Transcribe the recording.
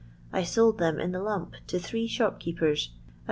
I sold them in the lump to three shopkeepers at 2$.